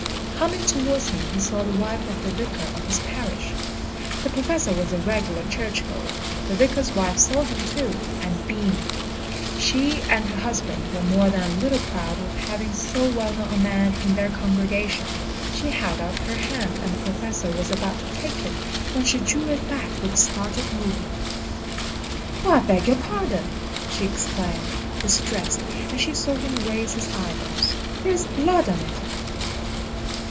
Coming towards him he saw the wife of the vicar of his parish. The Professor was a regular church goer. The vicar's wife saw him, too, and beamed. She and her husband were more than a little proud of having so well known a man in their congregation. She held out her hand and the Professor was about to take it when she drew it back with a startled movement. "Oh, I beg your pardon!" she exclaimed, distressed, as she saw him raise his eyebrows. "There is blood on it."